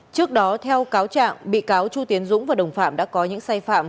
trước đó theo cáo trạng bị cáo chu tiến dũng và đồng phạm đã có những sai phạm